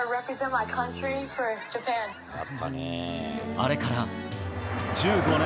あれから１５年。